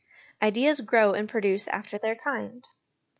Ideas Grow and Produce after their Kind.